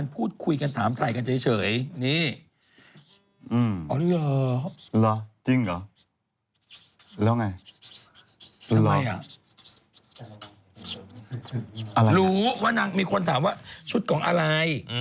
รู้ว่านางมีคนถามว่าชุดของอะไร